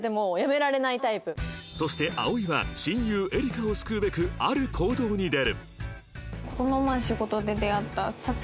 そして葵は親友エリカを救うべくある行動に出る